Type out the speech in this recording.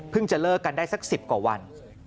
จะเลิกกันได้สัก๑๐กว่าวัน